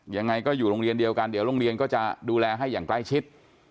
ยังไงก็อยู่โรงเรียนเดียวกันเดี๋ยวโรงเรียนก็จะดูแลให้อย่างใกล้ชิด